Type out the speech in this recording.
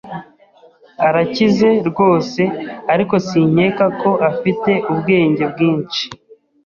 Arakize, rwose, ariko sinkeka ko afite ubwenge bwinshi.